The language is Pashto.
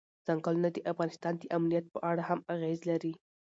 ځنګلونه د افغانستان د امنیت په اړه هم اغېز لري.